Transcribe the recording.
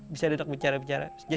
bisa duduk bicara bicara